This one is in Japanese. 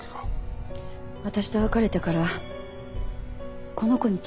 私と別れてからこの子に近づいてきて。